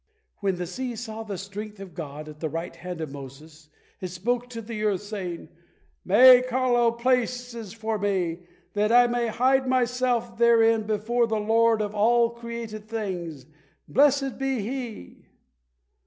When the sea saw the Strength of God at the right hand of Moses, it spoke to the earth saying, "Make hollow places for me, that I may hide myself therein before the Lord of all created things, blessed be He."